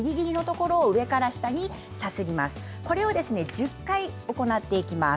これを１０回行います。